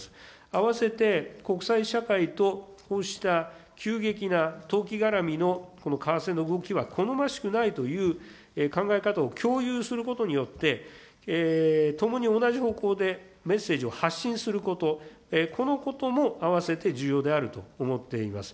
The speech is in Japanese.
あわせて国際社会とこうした急激な投機絡みの為替の動きは好ましくないという考え方を共有することによって、共に同じ方向でメッセージを発信すること、このこともあわせて重要であると思っています。